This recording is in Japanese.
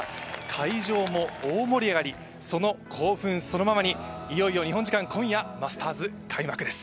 会場も大盛り上がり、その興奮そのままに、いよいよ日本時間今夜、マスターズ開幕です。